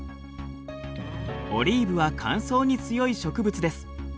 オリーブは乾燥に強い植物です。